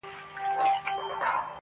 خو لا نن هم دی رواج د اوسنیو-